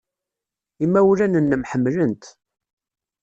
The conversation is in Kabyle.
Imawlan-nnem ḥemmlen-t.